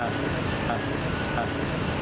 ครับ